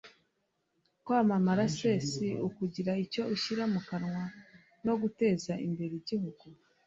kwamamara se si ukugira icyo ushyira mu kanwa no guteza imbere igihugu